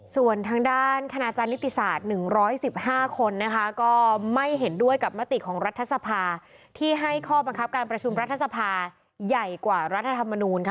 ส่วนทางด้านคณาจารย์นิติศาสตร์๑๑๕คนนะคะก็ไม่เห็นด้วยกับมติของรัฐสภาที่ให้ข้อบังคับการประชุมรัฐสภาใหญ่กว่ารัฐธรรมนูลค่ะ